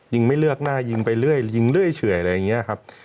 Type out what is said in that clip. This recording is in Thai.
ไม่เลือกหน้ายิงไปเรื่อยยิงเรื่อยเฉื่อยอะไรอย่างนี้ครับ